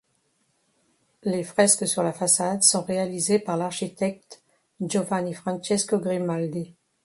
Les fresques sur la façade sont réalisées par l'architecte Giovanni Francesco Grimaldi.